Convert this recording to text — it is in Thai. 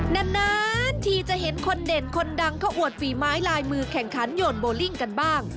นานทีจะเห็นคนเด่นคนดังเขาอวดฝีไม้ลายมือแข่งขันโยนโบลิ่งกันบ้าง